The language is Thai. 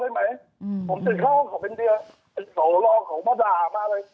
ผมติดข้าวห้องของเป็นเดียวหลอกของพระจามาเลย